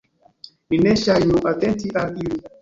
Ni ne ŝajnu atenti al ili.